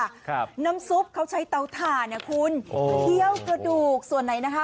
ครับน้ำซุปเขาใช้เตาถ่านอ่ะคุณโอ้เคี่ยวกระดูกส่วนไหนนะคะ